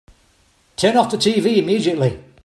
Turn off the TV immediately!